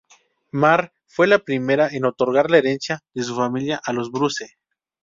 Mar fue la primera en otorgar la herencia de su familia a los Bruce.